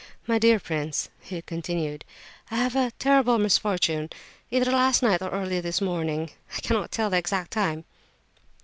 "My dear prince," he continued, "I have had a terrible misfortune, either last night or early this morning. I cannot tell the exact time."